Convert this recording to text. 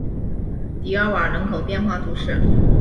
迪奥尔人口变化图示